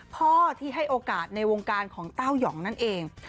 พ่อที่ให้โอกาสในวงการของเต้ายองนั่นเอง